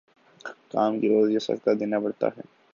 کام کے عوض یہ صدقہ دینا پڑتا ہے۔